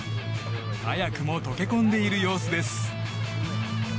早くも溶け込んでいる様子です。